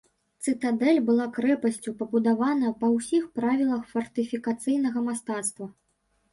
Цытадэль была крэпасцю, пабудаванай па ўсіх правілах фартыфікацыйнага мастацтва.